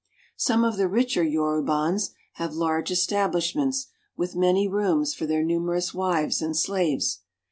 Some of the richer Yorubans have large establishments, with many rooms for their numerous wives and slaves.